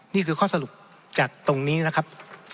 นี่คือข้อสรุปจากตรงนี้นะครับ